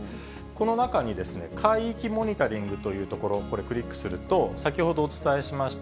この中にですね、海域モニタリングというところ、これ、クリックすると、先ほどお伝えしました